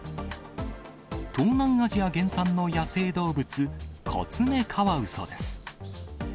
東南アジア原産の野生動物、コツメカワウソです。